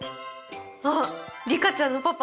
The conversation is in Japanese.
あっリカちゃんのパパ！